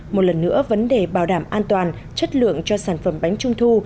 một lần nữa vấn đề bảo đảm an toàn chất lượng cho sản phẩm bánh trung thu